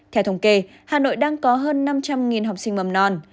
theo thống kê hà nội đang có hơn năm trăm linh học sinh mầm non